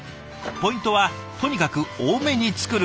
ポイントはとにかく多めに作ること。